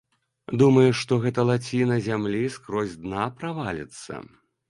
Думаеш, што гэта лаціна зямлі скрозь дна праваліцца?